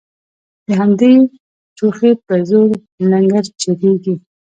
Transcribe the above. د همدې چوخې په زور لنګرچلیږي